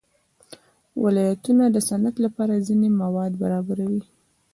ولایتونه د صنعت لپاره ځینې مواد برابروي.